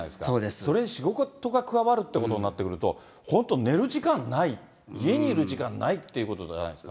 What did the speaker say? それに仕事が加わるっていうになると本当、寝る時間ない、家にいる時間ないってことじゃないですか。